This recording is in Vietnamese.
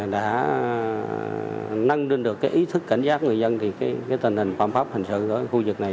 đã nâng đinh được cái ý thức cảnh giác người dân thì cái tình hình phạm pháp hình sự ở khu vực này